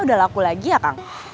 deh magna itu